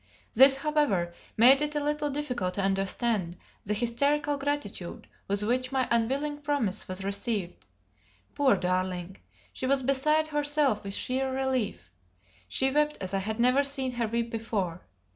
This, however, made it a little difficult to understand the hysterical gratitude with which my unwilling promise was received. Poor darling! she was beside herself with sheer relief. She wept as I had never seen her weep before.